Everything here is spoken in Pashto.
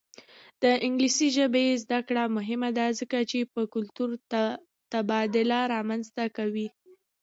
د انګلیسي ژبې زده کړه مهمه ده ځکه چې کلتوري تبادله رامنځته کوي.